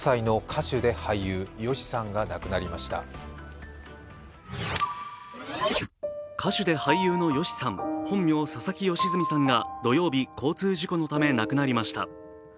歌手で俳優のＹＯＳＨＩさん本名・佐々木嘉純さんが土曜日、交通事故のため亡くなりました。